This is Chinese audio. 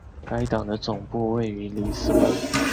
该党的总部位于里斯本。